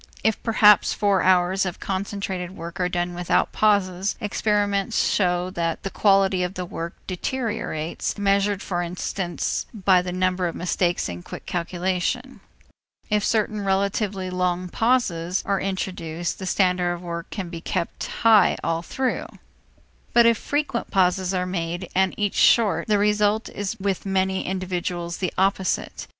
If perhaps four hours of concentrated work are done without pauses, experiment shows that the quality of the work deteriorates, measured for instance by the number of mistakes in quick calculation. If certain relatively long pauses are introduced, the standard of work can be kept high all through. But if frequent pauses are made, and each short, the result is with many individuals the opposite.